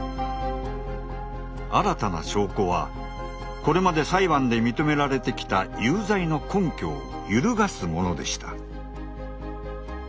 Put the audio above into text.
新たな証拠はこれまで裁判で認められてきた「有罪の根拠」を揺るがすものでした。